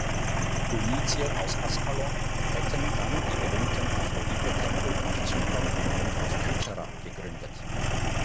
Phönizier aus Askalon hätten dann die berühmten Aphrodite-Tempel auf Zypern und auf Kythera gegründet.